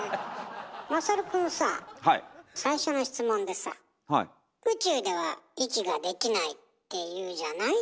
優くんさぁ最初の質問でさ「宇宙では息ができないっていうじゃない？」